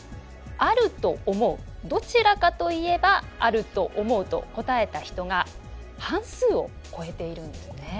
「あると思う」「どちらかといえばあると思う」と答えた人が半数を超えているんですね。